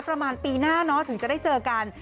ประมาณปีหน้าเนาะถึงจะได้เจอกัน